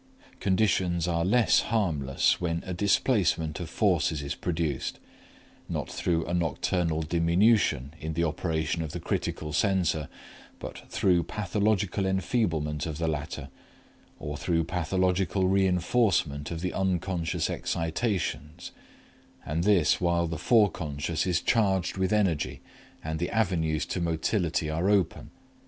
Conditions are less harmless when a displacement of forces is produced, not through a nocturnal diminution in the operation of the critical censor, but through pathological enfeeblement of the latter or through pathological reinforcement of the unconscious excitations, and this while the foreconscious is charged with energy and the avenues to motility are open.